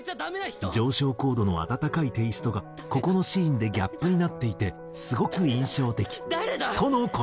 「上昇コードの暖かいテイストがここのシーンでギャップになっていてすごく印象的」との事。